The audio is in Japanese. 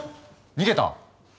逃げた！